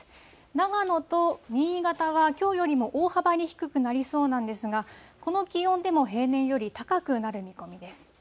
長野と新潟は、きょうよりも大幅に低くなりそうなんですが、この気温でも平年より高くなる見込みです。